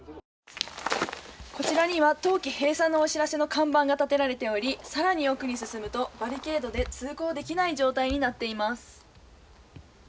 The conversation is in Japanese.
こちらには冬季閉鎖のお知らせの看板が立てられておりさらに奥に進むとバリケードで通行できない状態になっています。